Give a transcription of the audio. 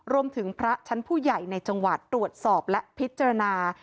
พระชั้นผู้ใหญ่ในจังหวัดตรวจสอบและพิจารณา